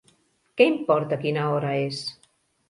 Què importa quina hora és?